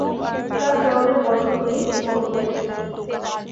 তার জন্মের বছর নিয়ে দ্বিমত রয়েছে।